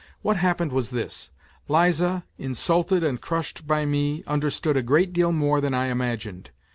What happened was this : Liza, insulted and crushed by me, understood a great deal more than I imagined.